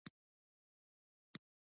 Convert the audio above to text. دوه شپیتم سوال د قرارداد اجزا بیانوي.